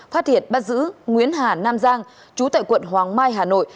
phát hiện bắt giữ nguyễn hà nam giang chú tại quận hoàng mai hà nội